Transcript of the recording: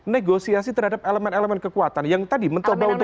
negosiasi terhadap elemen elemen kekuatan yang tadi mencoba untuk